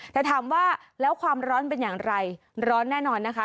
แต่ถามว่าแล้วความร้อนเป็นอย่างไรร้อนแน่นอนนะคะ